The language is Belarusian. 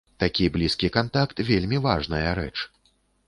Такі блізкі кантакт вельмі важная рэч!